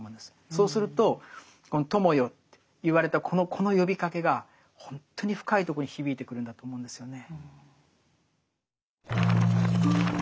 そうするとこの「友よ」と言われたこの呼びかけがほんとに深いとこに響いてくるんだと思うんですよね。